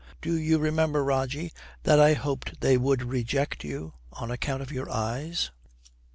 Do you remember, Rogie, that I hoped they would reject you on account of your eyes?'